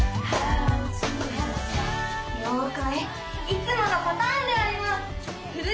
いつものパターンであります。